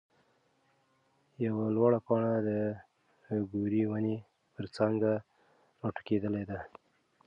يوه لوړه پاڼه د ګورې ونې پر څانګه راټوکېدلې ده.